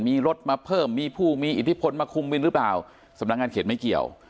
มีรถมาเพิ่มมีผู้มีอิทธิพลมาคุมวินหรือเปล่าสำนักงานเขตไม่เกี่ยว